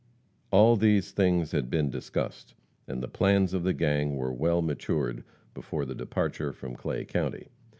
All these things had been discussed, and the plans of the gang were well matured before the departure from Clay county.